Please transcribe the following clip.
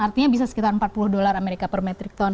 artinya bisa sekitar empat puluh dolar amerika per metric ton